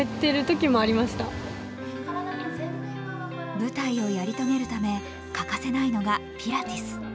舞台をやり遂げるため欠かせないのがピラティス。